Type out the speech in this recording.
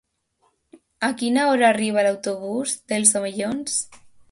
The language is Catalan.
A quina hora arriba l'autobús dels Omellons?